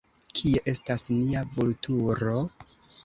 Kie estas nia Vulturo?